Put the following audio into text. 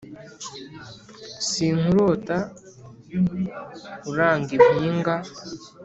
Sinkurota uranga impinga,